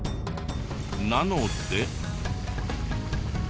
なので。